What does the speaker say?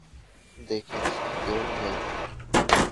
দেখেছি, কেউ নেই।